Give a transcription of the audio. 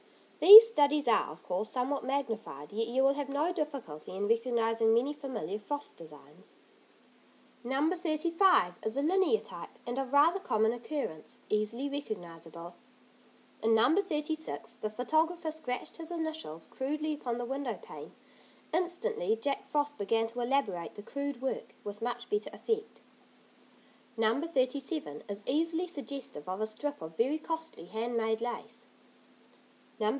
These studies are, of course, somewhat magnified, yet you will have no difficulty in recognising many familiar frost designs. No. 35 is a linear type, and of rather common occurrence, easily recognisable. In No. 36 the photographer scratched his initials crudely upon the window pane; instantly Jack Frost began to elaborate the crude work, with much better effect. No. 37 is easily suggestive of a strip of very costly hand made lace. No.